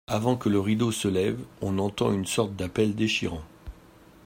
Avant que le rideau se lève, on entend une sorte d’appel déchirant.